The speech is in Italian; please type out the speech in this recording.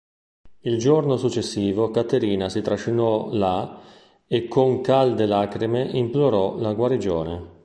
Il giorno successivo Caterina si trascinò là e con calde lacrime implorò la guarigione.